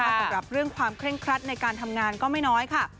สำหรับเรื่องความเคร่งครัดในการทำงานก็ไม่น้อยค่ะ